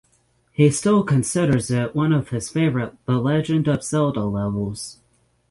He still considers it one of his favorite "The Legend of Zelda" levels.